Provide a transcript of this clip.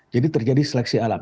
jadi terjadi seleksi alam